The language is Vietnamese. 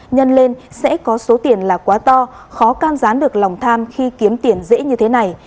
nhân lên sẽ có số tiền là quá to khó cam gián được lòng tham khi kiếm tiền dễ như thế này